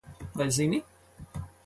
Vai zini?